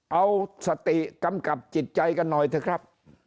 เอาสติกำกับจิตใจกันหน่อยเถอะครับ